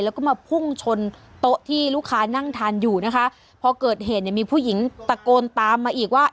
แล้วก็มาพุ่งชนโต๊ะที่ลูกค้านั่งทานอยู่นะคะพอเกิดเหตุเนี่ยมีผู้หญิงตะโกนตามมาอีกว่า